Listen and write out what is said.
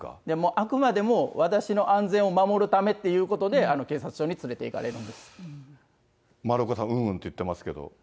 あくまでも私の安全を守るためっていうことで、丸岡さん、うんうんって言ってますけど。